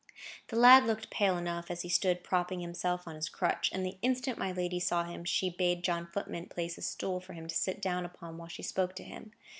The lad looked pale enough, as he stood propping himself up on his crutch, and the instant my lady saw him, she bade John Footman place a stool for him to sit down upon while she spoke to him.